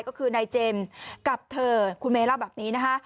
ก็คือนายเจมส์กับเธอคุณเมย์เล่าแบบนี้นะคะ